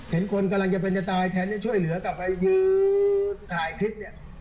เห็นคนกำลังจะตายแท้ช่วยเหลือกลับไปยืนถ่ายคลิป